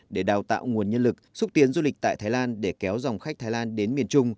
để đào tạo nguồn nhân lực xúc tiến du lịch tại thái lan để kéo dòng khách thái lan đến miền trung